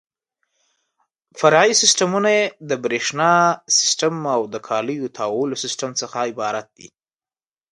فرعي سیسټمونه یې د برېښنا سیسټم او د کالیو تاوولو سیسټم څخه عبارت دي.